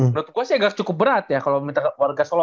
menurut gue sih agak cukup berat ya kalo minta warga solo